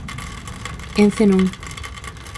Ence non.